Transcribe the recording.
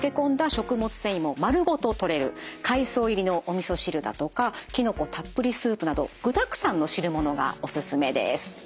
食物繊維も丸ごととれる海藻入りのおみそ汁だとかきのこたっぷりスープなど具だくさんの汁物がおすすめです。